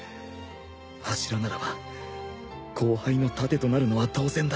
柱ならば後輩の盾となるのは当然だ。